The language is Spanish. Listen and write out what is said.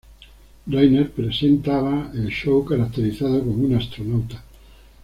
Rayner presentaba el show caracterizado como un astronauta.